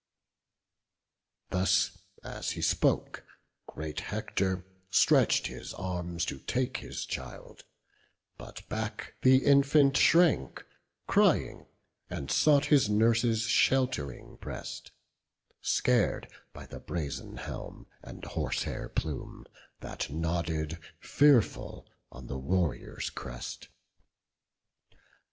Thus as he spoke, great Hector stretch'd his arms To take his child; but back the infant shrank, Crying, and sought his nurse's shelt'ring breast, Scar'd by the brazen helm and horse hair plume, That nodded, fearful, on the warrior's crest.